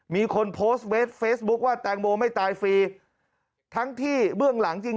มีคนโพสต์เฟสเฟซบุ๊คว่าแตงโมไม่ตายฟรีทั้งที่เบื้องหลังจริง